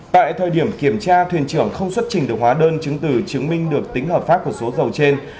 tại thời điểm kiểm tra thuyền trưởng không xuất trình được hóa đơn chứng từ chứng minh được tính hợp pháp của số dầu trên